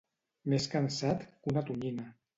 Més cansat que una tonyina.